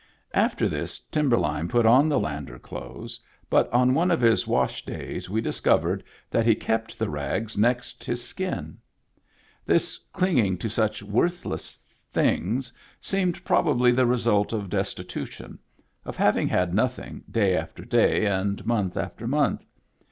After this Timberline put on the Lander clothes, but on one of his wash days we dis covered that he kept the rags next his skin! This clinging to such worthless things seemed probably the result of destitution, of having had nothing, day after day and month after month.